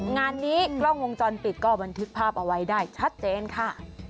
งานนี้กล้องวงจรปิดก็บันทึกภาพเอาไว้ได้ชัดเจนค่ะ